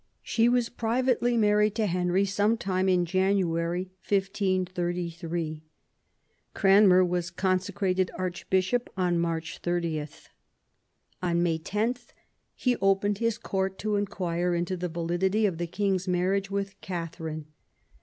She was privately married to Henry sometime in January, ^533 Cranmer was consecrated Archbishop on March 30. On May 10, he opened his court to in quire into the validity of the King's marriage with Catherine.